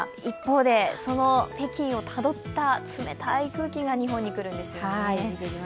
一方で、その北京をたどった冷たい空気が日本に来るんですよね。